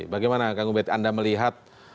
bagaimana kang ubed anda melihat